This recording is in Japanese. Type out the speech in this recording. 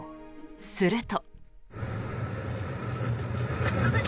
すると。